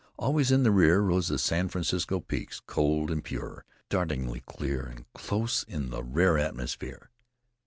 Always in the rear rose the San Francisco peaks, cold and pure, startlingly clear and close in the rare atmosphere.